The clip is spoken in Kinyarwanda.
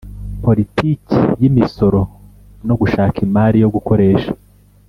politiki y'imisoro no gushaka imari yo gukoresha